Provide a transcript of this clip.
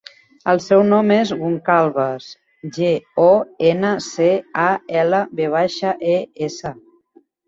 El seu cognom és Goncalves: ge, o, ena, ce, a, ela, ve baixa, e, essa.